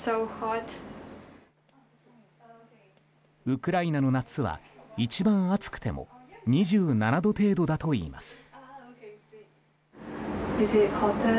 ウクライナの夏は一番暑くても２７度程度だといいます。